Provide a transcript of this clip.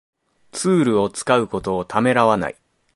ツールを使うことをためらわない